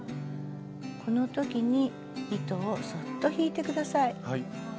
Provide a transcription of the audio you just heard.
この時に糸をそっと引いて下さい。